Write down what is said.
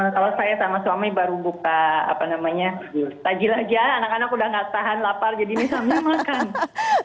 kalau saya sama suami baru buka apa namanya tadi lagi anak anak sudah tidak tahan lapar jadi misalnya makan